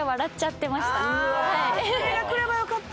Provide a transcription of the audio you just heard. それがくればよかったか。